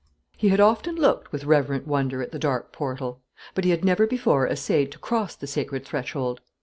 He had often looked with reverent wonder at the dark portal; but he had never before essayed to cross the sacred threshold.